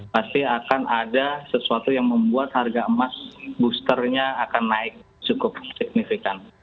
pasti akan ada sesuatu yang membuat harga emas boosternya akan naik cukup signifikan